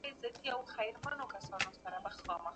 سياستپوهنه به خپله اهميت له لاسه ورنکړي.